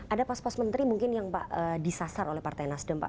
ada pos pos menteri mungkin yang pak disasar oleh partai nasdem pak